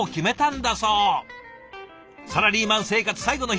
サラリーマン生活最後の日。